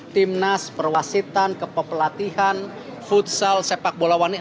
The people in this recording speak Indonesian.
timnas perwasitan kepelatihan futsal sepak bola wanita